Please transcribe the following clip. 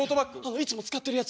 いつも使ってるやつ。